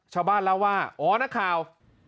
ชาวบ้านเล่าว่าอ๋อนักข่าว